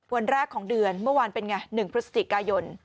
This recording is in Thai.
วันแรกของเดือนเมื่อวานเป็นไง๑พฤศจิกายน